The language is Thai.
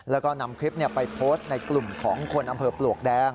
แล้วก็นำคลิปเนี่ยไปโพสต์ในกลุ่มของคนอำเภอปด